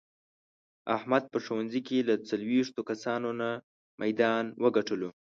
احمد په ښوونځې کې له څلوېښتو کسانو نه میدان و ګټلو.